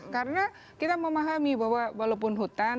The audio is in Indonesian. karena kita memahami bahwa walaupun hutan